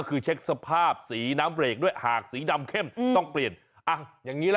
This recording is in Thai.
เอี๊ยดอัดเอี๊ยดอัด